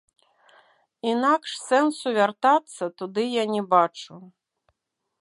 Інакш сэнсу вяртацца туды я не бачу.